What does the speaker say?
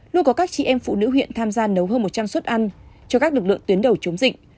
luôn có các chị em phụ nữ huyện tham gia nấu hơn một trăm linh suất ăn cho các lực lượng tuyến đầu chống dịch